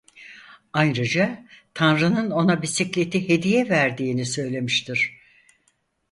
Ayrıca Tanrı'nın ona bisikleti hediye verdiğini söylemiştir.